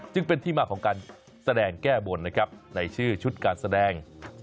จึงเป็นที่มาของการแสดงแก้บนนะครับในชื่อชุดการแสดง